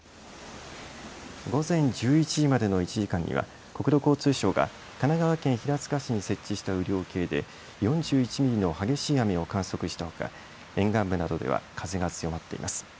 午前１１時までの１時間には国土交通省が神奈川県平塚市に設置した雨量計で４１ミリの激しい雨を観測したほか沿岸部などでは風が強まっています。